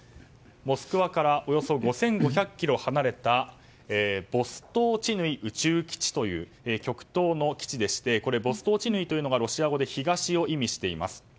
モスクワからおよそ５５００ｋｍ離れたボストーチヌイ宇宙基地という極東の基地でしてボストーチヌイというのはロシア語で東を意味しています。